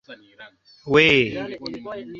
dawa za kulevya adhabu inayotumika sana China Iran na